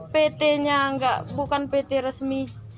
pt nya bukan pt resmi